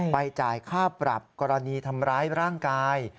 จ่ายค่าปรับกรณีทำร้ายร่างกาย